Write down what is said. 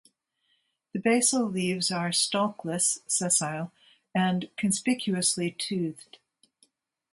The basal leaves are stalkless (sessile) and conspicuously toothed.